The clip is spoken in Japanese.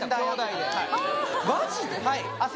マジで？